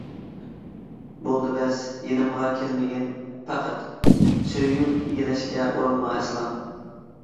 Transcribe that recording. بولدى بەس، يېنىمغا كەلمىگەن پەقەت، سۆيگۈم ئىگىلەشكە ئۇرۇنما ئەسلا.